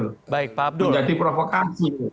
menjadi provokasi itu